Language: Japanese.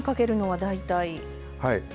はい。